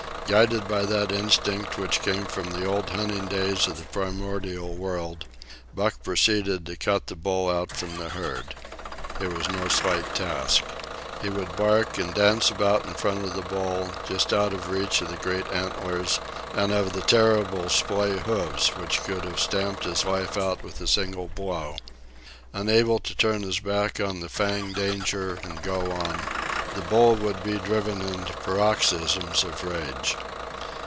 Guided by that instinct which came from the old hunting days of the primordial world, Buck proceeded to cut the bull out from the herd. It was no slight task. He would bark and dance about in front of the bull, just out of reach of the great antlers and of the terrible splay hoofs which could have stamped his life out with a single blow. Unable to turn his back on the fanged danger and go on, the bull would be driven into paroxysms of rage.